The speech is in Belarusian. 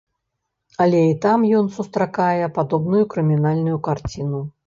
Але і там ён сустракае падобную крымінальную карціну.